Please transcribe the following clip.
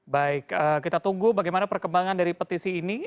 baik kita tunggu bagaimana perkembangan dari petisi ini